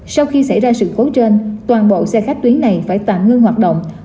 sau khi xảy ra sự cố trên toàn bộ xe khách tuyến này phải tạm ngưng hoạt động